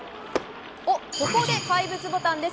ここで怪物ボタンです。